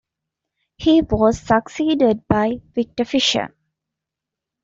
He was succeeded by Victor Fisher.